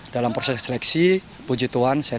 dalam proses seleksi puji tuhan saya terpilih untuk mewakili kami